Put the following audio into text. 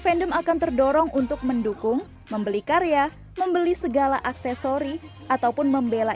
fandom akan terdorong untuk mendukung membeli karya membeli segala aksesori ataupun membela